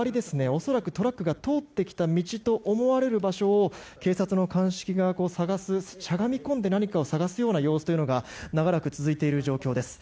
恐らくトラックが通ってきたと思われる道を警察の鑑識が、しゃがみ込んで何かを探すような様子が長らく続いています。